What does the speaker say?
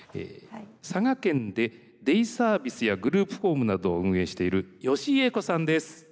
佐賀県でデイサービスやグループホームなどを運営している吉井栄子さんです。